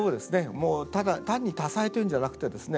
もうただ単に多彩というんじゃなくてですね